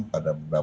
pada beberapa tahun